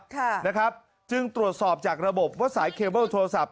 ค่ะนะครับจึงตรวจสอบจากระบบว่าสายเคเบิลโทรศัพท